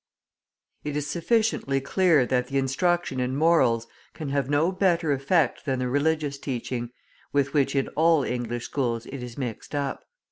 It is sufficiently clear that the instruction in morals can have no better effect than the religious teaching, with which in all English schools it is mixed up.